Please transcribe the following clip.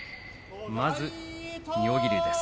まず妙義龍です。